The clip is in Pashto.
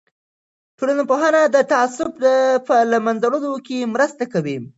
ټولنپوهنه د تعصب په له منځه وړلو کې مرسته کوي.